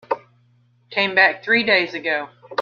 Came back three days ago.